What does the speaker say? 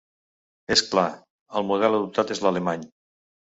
És clar: el model adoptat és l’alemany.